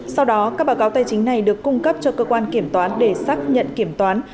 sau đó các báo cáo tài chính này được cung cấp cho cơ quan kiểm toán để xác nhận kiểm toán